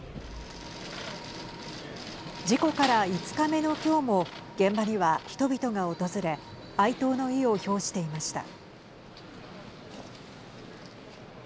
事故から５日目の今日も現場には人々が訪れ哀悼の意を表していました。